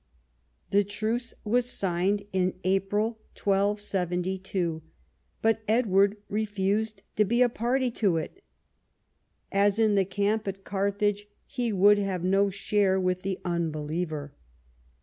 The truce was signed in April 1272, but Edward refused to be a party to it. As in the camp at Carthage, he would have no share with the un believer.